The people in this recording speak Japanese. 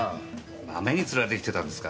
豆に釣られて来てたんですか？